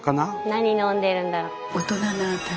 何飲んでるんだろう？